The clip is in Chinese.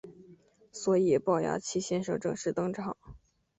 所以暴牙七先生正式登场。